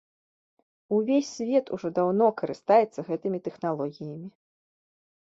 Увесь свет ужо даўно карыстаецца гэтымі тэхналогіямі.